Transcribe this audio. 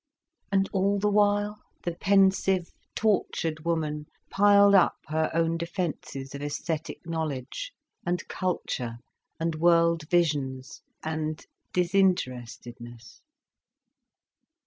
And all the while the pensive, tortured woman piled up her own defences of æsthetic knowledge, and culture, and world visions, and disinterestedness.